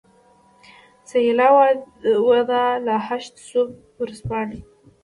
سهیلا وداع له هشت صبح ورځپاڼې.